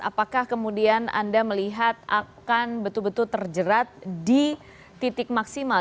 apakah kemudian anda melihat akan betul betul terjerat di titik maksimal